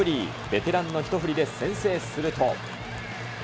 ベテランの一振りで先制すると。